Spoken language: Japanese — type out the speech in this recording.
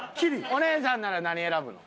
お姉さんなら何選ぶの？